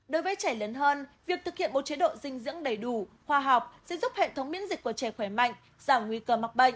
đối với trẻ lớn hơn việc thực hiện một chế độ dinh dưỡng đầy đủ khoa học sẽ giúp hệ thống miễn dịch của trẻ khỏe mạnh giảm nguy cơ mắc bệnh